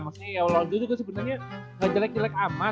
maksudnya ya lonto itu sebenarnya gak jelek jelek amat